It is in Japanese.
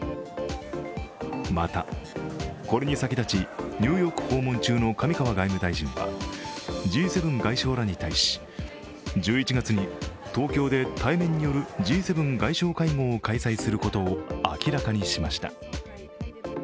またこれに先立ち、ニューヨーク訪問中の上川外務大臣はＧ７外相らに対し、１１月に東京で対面によるＧ７外相会合を開催することを明らかにしました。